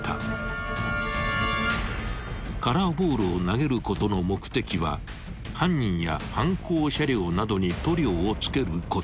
［カラーボールを投げることの目的は犯人や犯行車両などに塗料を付けること］